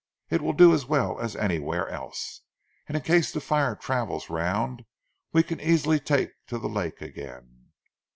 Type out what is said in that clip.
It will do as well as anywhere else, and in case the fire travels round we can easily take to the lake again."